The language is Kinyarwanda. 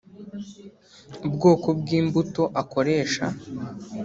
ubwoko bw’imbuto akoresha